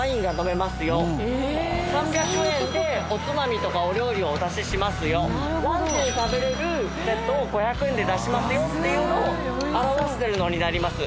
３００円でおつまみとかお料理をお出ししますよランチで食べれるセットを５００円で出しますよっていうのを表しているのになります。